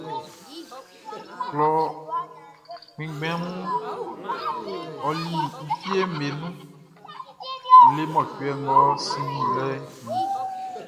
Klɔ kpɛnngbɛnʼn ɔli e fieʼm be nun le mɔcuɛ ngʼɔ sinnin lɛʼn nun.